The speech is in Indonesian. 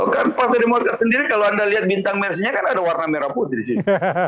kan partai demokrat sendiri kalau anda lihat bintang mersinya kan ada warna merah putih di sini